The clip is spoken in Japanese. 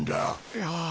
いや。